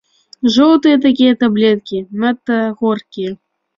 Жоўтыя такія таблеткі, надта горкія.